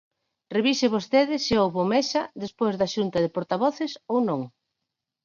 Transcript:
Revise vostede se houbo Mesa despois da Xunta de Portavoces ou non.